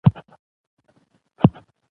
خلک له ليري سیمو څخه د مېلو له پاره راځي.